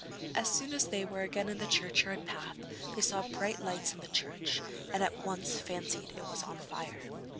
As soon as they were again in the churchyard path, they saw bright lights in the church and at once fancied it was on fire.